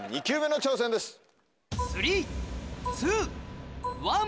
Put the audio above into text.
２球目の挑戦です。